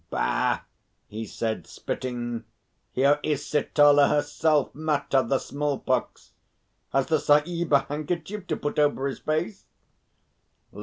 "Bah!" he said, spitting. "Here is Sitala herself; Mata the small pox. Has the Sahib a handkerchief to put over his face?"